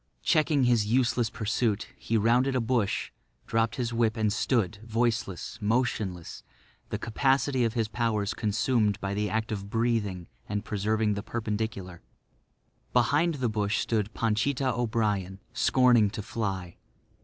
Checking his useless pursuit, he rounded a bush, dropped his whip and stood, voiceless, motionless, the capacity of his powers consumed by the act of breathing and preserving the perpendicular. Behind the bush stood Panchita O'Brien, scorning to fly.